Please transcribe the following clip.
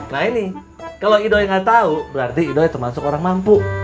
nah ini kalau ido yang nggak tahu berarti ido itu termasuk orang mampu